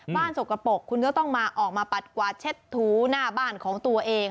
สกปรกคุณก็ต้องมาออกมาปัดกวาดเช็ดถูหน้าบ้านของตัวเอง